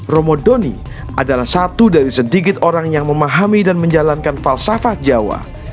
romo doni adalah satu dari sedikit orang yang memahami dan menjalankan falsafah jawa